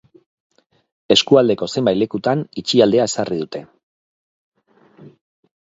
Eskualdeko zenbait lekutan itxialdia ezarri dute.